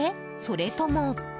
それとも。